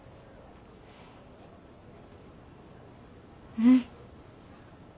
うん。